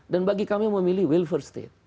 dan bagi kami memilih welfare state